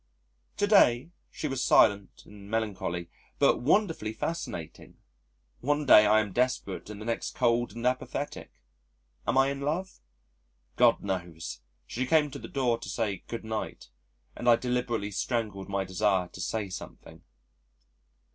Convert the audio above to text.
To day, she was silent and melancholy but wonderfully fascinating. One day I am desperate and the next cold and apathetic. Am I in love? God knows! She came to the door to say "Good night," and I deliberately strangled my desire to say something.